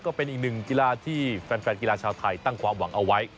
ก็เป็นอีกหนึ่งกีฬาที่แฟนกีฬาชาวไทยตั้งความหวังเอาไว้